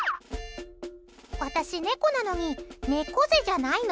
私、猫なのに猫背じゃないの。